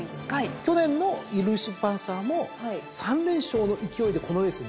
去年のイルーシヴパンサーも３連勝の勢いでこのレースに臨みました。